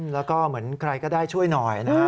แล้วก็เหมือนใครก็ได้ช่วยหน่อยนะฮะ